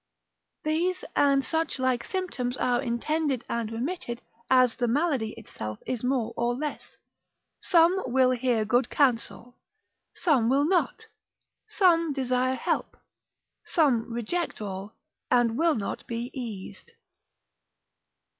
These and such like symptoms are intended and remitted, as the malady itself is more or less; some will hear good counsel, some will not; some desire help, some reject all, and will not be eased.